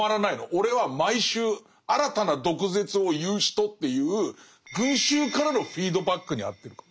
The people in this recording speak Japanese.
俺は毎週新たな毒舌を言う人っていう群衆からのフィードバックにあってく。